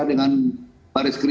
dengan paris krim